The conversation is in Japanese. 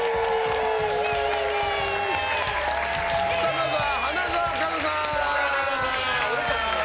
まずは花澤香菜さん！